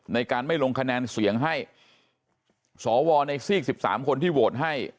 ในการไม่ลงคะแนนเสียงให้สวในซีก๑๓คนที่โหวตให้